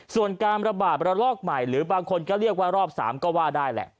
ส่วนการระบาดระลอกใหม่หรือบางคนก็เรียกว่ารอบ๓ก็ว่าได้แหละ